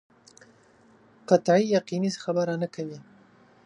قطعي یقیني خبره نه کوي.